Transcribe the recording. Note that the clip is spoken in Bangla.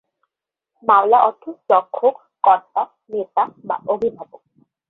মাওলা অর্থ রক্ষক, কর্তা, নেতা বা অভিভাবক।